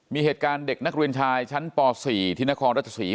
มีเหตุการณ์เด็กนักเรียนชายชั้นป๔ที่นครราชศรี